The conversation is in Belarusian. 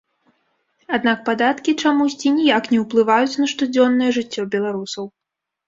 Аднак падаткі чамусьці ніяк не ўплываюць на штодзённае жыццё беларусаў.